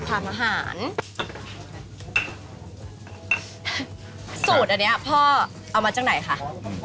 สูตรอันเนี้ยพ่อเอามาจากไหนคะ